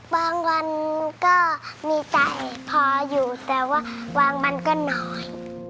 บางวันก็มีจ่ายพออยู่แต่ว่าวางมันก็น้อย